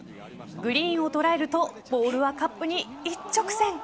グリーンを捉えるとボールはカップに一直線。